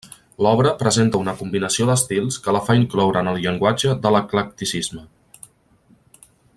L'obra presenta una combinació d'estils que la fa incloure en el llenguatge de l'eclecticisme.